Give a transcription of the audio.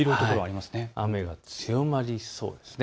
雨が強まりそうです。